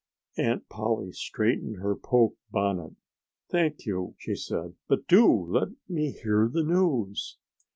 Aunt Polly straightened her poke bonnet. "Thank you!" she said. "But do let me hear the news."